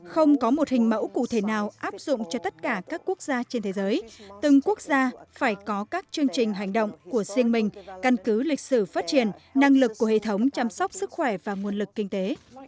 không có một hình mẫu cụ thể nào áp dụng cho tất cả các quốc gia trên thế giới từng quốc gia phải có các chương trình hành động của riêng mình căn cứ lịch sử phát triển năng lực của hệ thống chăm sóc sức khỏe và nguồn lực kinh tế